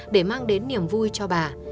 để mang đến niềm vui cho bà